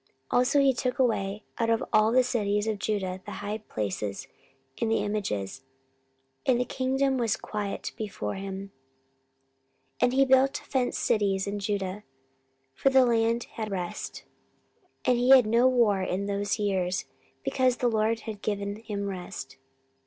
14:014:005 Also he took away out of all the cities of Judah the high places and the images: and the kingdom was quiet before him. 14:014:006 And he built fenced cities in Judah: for the land had rest, and he had no war in those years; because the LORD had given him rest.